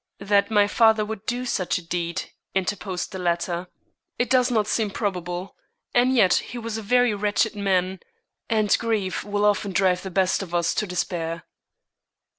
"That my father would do such a deed," interposed the latter. "It does not seem probable, and yet he was a very wretched man, and grief will often drive the best of us to despair."